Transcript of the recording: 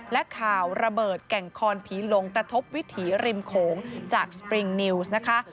และข่าวระเบิดแก่งคอนผีหลงกระทบวิถีริมโขงจากสปริงนิวส์นะคะ